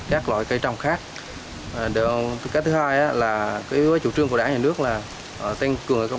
cái thứ hai là chủ trương của đảng nhà nước là tăng cường công tác tuyên truyền hoạt động cho nhân dân